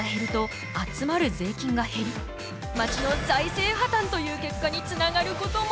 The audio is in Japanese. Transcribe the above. まちの財政破綻という結果につながることも。